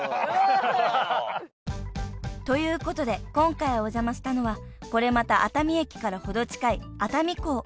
［ということで今回お邪魔したのはこれまた熱海駅から程近い熱海港］